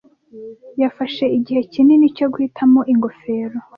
Yafashe igihe kinini cyo guhitamo ingofero.